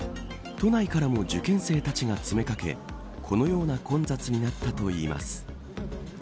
都内からも受験生たちが詰めかけこのような混雑になったといいます。